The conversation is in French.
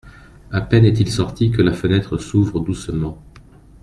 A peine est-il sorti que la fenêtre s’ouvre doucement.